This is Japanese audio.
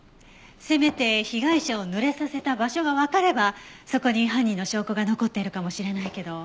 せめて被害者を濡れさせた場所がわかればそこに犯人の証拠が残っているかもしれないけど。